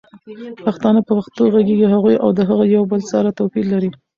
پښتانه په پښتو غږيږي هغوي او هغه يو بل سره توپير لري